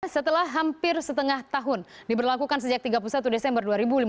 setelah hampir setengah tahun diberlakukan sejak tiga puluh satu desember dua ribu lima belas